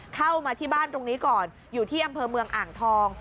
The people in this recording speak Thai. เข้ามาที่บ้านตรงนี้ก่อนอยู่ที่อำเภอเมืองอ่างทอง